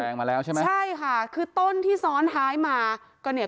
มาแล้วใช่ไหมใช่ค่ะคือต้นที่ซ้อนท้ายมาก็เนี่ย